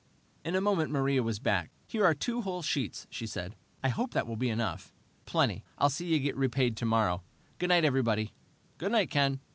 In a moment Maria was back. "Here are two whole sheets," she said. "I hope that will be enough." "Plenty. I'll see you get repaid tomorrow. Good night, everybody." "Good night, Ken."